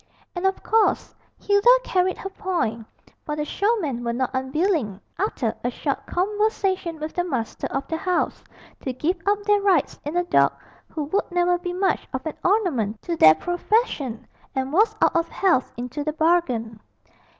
And of course Hilda carried her point, for the showmen were not unwilling, after a short conversation with the master of the house, to give up their rights in a dog who would never be much of an ornament to their profession, and was out of health into the bargain.